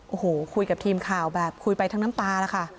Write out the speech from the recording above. โอ้โหคุยกับทีมข่าวแบบคุยไปทั้งน้ำตาแล้วค่ะ